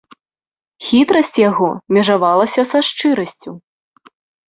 Хітрасць яго межавалася са шчырасцю.